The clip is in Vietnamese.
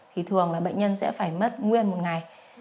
thì thường là bệnh nhân sẽ phải mất nguyên một ngày